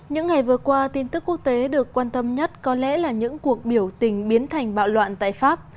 những ngày vừa qua tin tức quốc tế được quan tâm nhất có lẽ là những cuộc biểu tình biến thành bạo loạn tại pháp